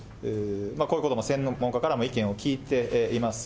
こういうことも専門家からも意見を聞いています。